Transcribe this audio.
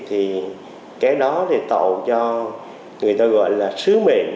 thì cái đó thì tạo cho người ta gọi là sứ mệnh